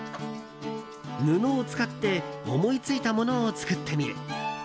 布を使って思いついたものを作ってみる。